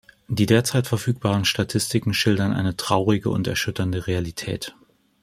Die derzeit verfügbaren Statistiken schildern eine traurige und erschütternde Realität.